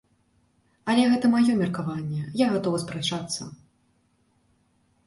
Але гэта маё меркаванне, я гатовы спрачацца.